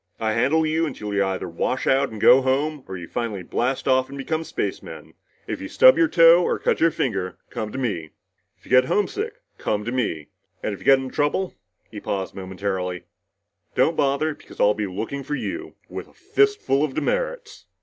I handle you until you either wash out and go home, or you finally blast off and become spacemen. If you stub your toe or cut your finger, come to me. If you get homesick, come to me. And if you get into trouble" he paused momentarily "don't bother because I'll be looking for you, with a fist full of demerits!"